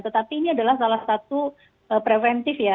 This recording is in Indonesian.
tetapi ini adalah salah satu preventif ya